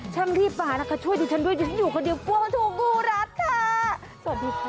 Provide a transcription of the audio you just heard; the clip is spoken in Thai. ช่างรีบป่านะคะช่วยดูฉันด้วยยังอยู่คนเดียวปวงถูกงูรักค่ะสวัสดีค่ะ